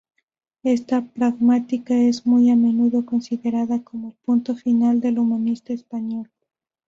Esta pragmática es muy a menudo considerada como el punto final del humanismo español.